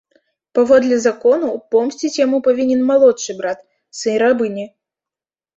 Паводле закону, помсціць яму павінен малодшы брат, сын рабыні.